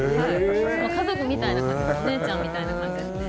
家族みたいでお姉ちゃんみたいな感じですね。